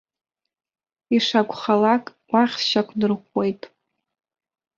Ишакәхалак, уахь сшьақәдырӷәӷәеит.